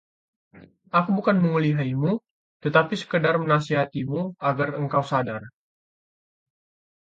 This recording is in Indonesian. aku bukan menguliahimu, tetapi sekadar menasihatimu agar engkau sadar